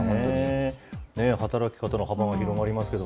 働き方の幅が広がりますけど。